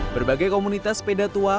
berbagai komunitas sepeda tua